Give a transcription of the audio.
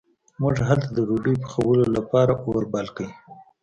موږ هلته د ډوډۍ پخولو لپاره اور بل کړ.